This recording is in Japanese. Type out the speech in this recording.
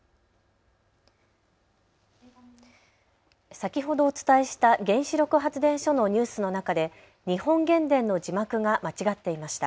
先ほどお伝えした原子力発電所のニュースの中で日本原電の字幕が間違っていました。